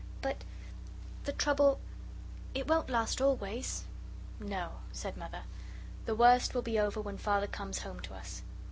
But the trouble it won't last always?" "No," said Mother, "the worst will be over when Father comes home to us."